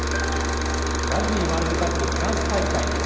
ラグビーワールドカップフランス大会です。